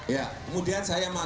ya kemudian saya masuk